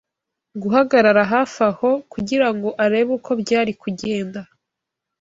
guhagarara hafi aho kugira ngo arebe uko byari kugenda